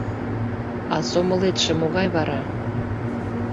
— А сомылетше могай вара?